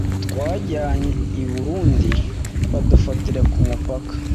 Twajyanye I Burundi badufatira kumupaka